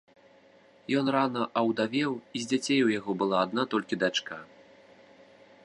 Ён рана аўдавеў, і з дзяцей у яго была адна толькі дачка.